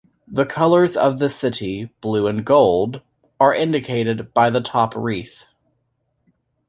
The colours of the city, blue and gold, are indicated by the top wreath.